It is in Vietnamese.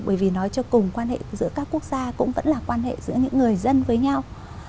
bởi vì nói cho cùng quan hệ giữa các quốc gia cũng vẫn là quan hệ giữa những người dân với nhau